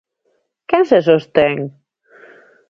Quen se sostén?